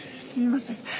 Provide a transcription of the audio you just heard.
すみません。